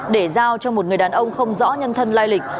để giao cho một người đàn ông không rõ nhân thân lai lịch